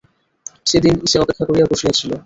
সেদিন সে অপেক্ষা করিয়া বসিয়া ছিল।